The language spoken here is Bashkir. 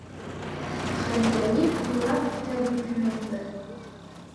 — Ғәндәлип урап үтә Бибинурҙы